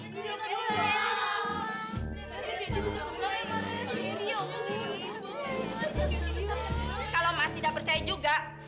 candy sudah bebas